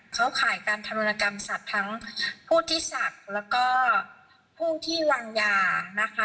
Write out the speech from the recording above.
ข่ายการธรุณกรรมสัตว์ทั้งผู้ที่ศักดิ์แล้วก็ผู้ที่วางยานะคะ